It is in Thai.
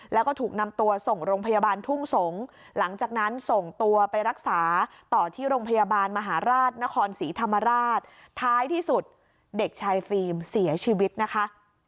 แล้วก็ถูกนำตัวส่งโรงพยาบาลทุ่งสงศ์หลังจากนั้นส่งตัวไปรักษาต่อที่โรงพยาบาลมหาราชนครศรีธรรมราชท้ายที่สุดเด็กชายฟิล์มเสียชีวิตนะคะ